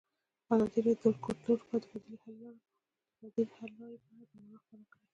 ازادي راډیو د کلتور لپاره د بدیل حل لارې په اړه برنامه خپاره کړې.